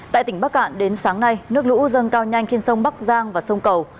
tại tỉnh bắc cạn đến sáng nay nước lũ dâng cao nhanh trên sông bắc giang và sông cầu